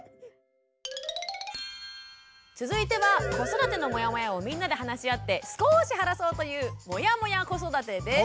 続いては子育てのモヤモヤをみんなで話し合って少し晴らそうという「モヤモヤ子育て」です。